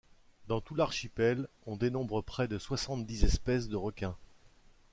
Dans tout l'archipel, on dénombre près de soixante-dix espèces de requins.